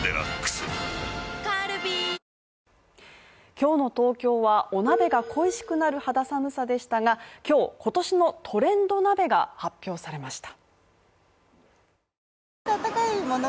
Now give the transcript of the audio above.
今日の東京はお鍋が恋しくなる肌寒さでしたが今日、今年のトレンド鍋が発表されました。